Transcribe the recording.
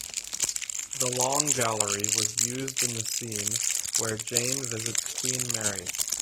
The long gallery was used in the scene where Jane visits Queen Mary.